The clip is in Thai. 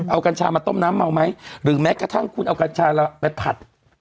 เอากัญชามาต้มน้ำเมาไหมหรือแม้กระทั่งคุณเอากัญชาเราไปผัด